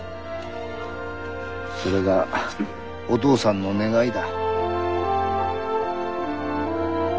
それがお父さんの願いだ。